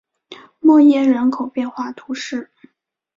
默耶人口变化图示